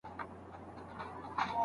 افغانستان د ورېښمو لاري مهمه برخه وه.